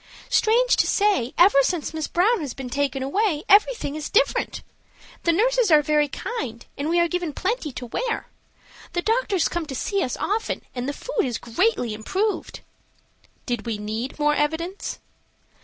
Strange to say, ever since Miss Brown has been taken away everything is different. The nurses are very kind and we are given plenty to wear. The doctors come to see us often and the food is greatly improved." Did we need more evidence?